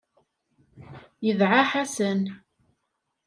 Yedɛa Ḥasan.